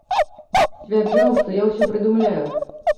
Сцвярджаў, што я ўсё прыдумляю.